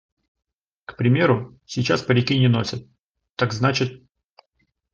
К примеру, сейчас парики не носят, так значит.